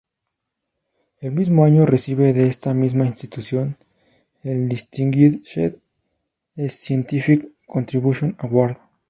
El mismo año recibe de esta misma institución el "Distinguished scientific contribution award".